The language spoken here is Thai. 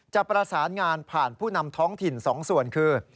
จะประสานงานผ่านผู้นำท้องถิ่น๒ส่วนคือ